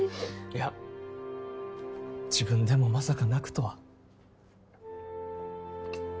いや自分でもまさか泣くとは。